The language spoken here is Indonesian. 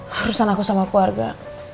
harusan aku sama keluarga